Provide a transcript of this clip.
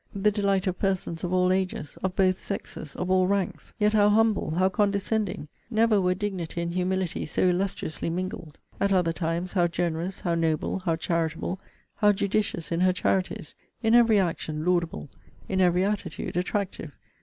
The delight of persons of all ages, of both sexes, of all ranks! Yet how humble, how condescending! Never were dignity and humility so illustriously mingled! At other times, how generous, how noble, how charitable, how judicious in her charities! In every action laudable! In every attitude attractive!